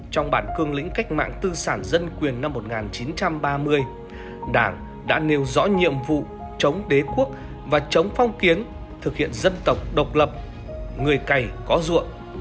trong bản cương lĩnh cách mạng tư sản dân quyền năm một nghìn chín trăm ba mươi đảng đã nêu rõ nhiệm vụ chống đế quốc và chống phong kiến thực hiện dân tộc độc lập người cày có ruộng